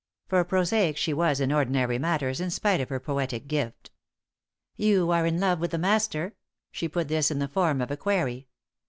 For prosaic she was in ordinary matters, in spite of her poetic gift. "You are in love with the Master?" She put this in the form of a query.